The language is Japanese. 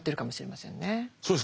そうです。